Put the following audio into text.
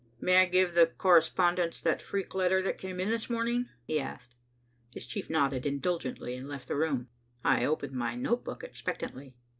"May I give the correspondents that freak letter that came this morning?" he asked. His chief nodded indulgently and left the room. I opened my notebook expectantly.